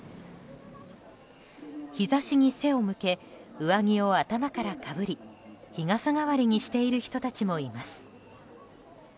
日差しに背を向け上着を頭からかぶり日傘代わりにしている人たちもいます。